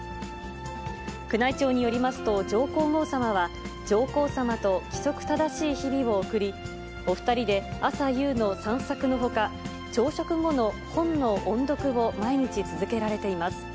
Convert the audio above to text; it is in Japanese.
宮内庁によりますと、上皇后さまは、上皇さまと規則正しい日々を送り、お２人で朝夕の散策のほか、朝食後の本の音読を毎日続けられています。